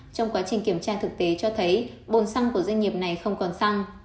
trong quá trình kiểm tra thực tế cho thấy bồn xăng của doanh nghiệp này không còn xăng